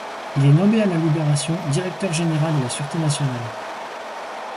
Il est nommé à la Libération directeur général de la Sûreté nationale.